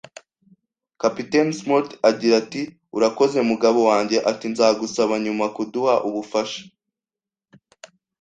Kapiteni Smollett agira ati: “Urakoze, mugabo wanjye. Ati: "Nzagusaba nyuma kuduha ubufasha.